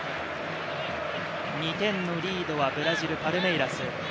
２点のリードはブラジル、パルメイラス。